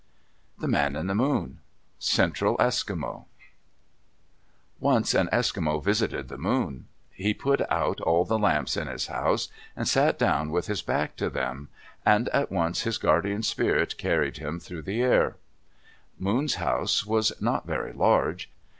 THE MAN IN THE MOON Central Eskimo Once an Eskimo visited the Moon. He put out all the lamps in his house, and sat down with his back to them, and at once his guardian spirit carried him through the air. Moon's house was not very large.